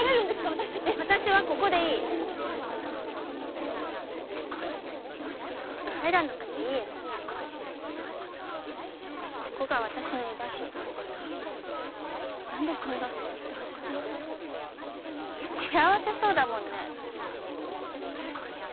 私達私はここでいい帰らなくていいのここが私の居場所何でそんな幸せそうだもんねえっ？